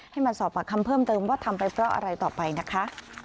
ให้มาสอบปากคำเพิ่มเติมว่าทำไปเพราะอะไรต่อไปนะคะ